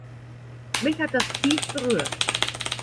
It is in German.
Mich hat das tief berührt.